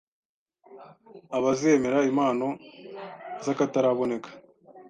'abazemera impano z'akataraboneka